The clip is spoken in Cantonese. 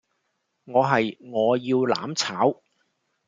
我係「我要攬炒」